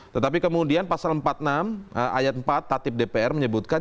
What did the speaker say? tetapi kemudian pasal empat puluh enam ayat empat tatip dpr menyebutkan